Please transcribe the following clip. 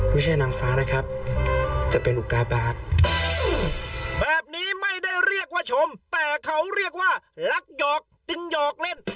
ไม่ใช่นางฟ้านะครับจะเป็นอุกาบาทแบบนี้ไม่ได้เรียกว่าชมแต่เขาเรียกว่าลักหยอกจึงหยอกเล่น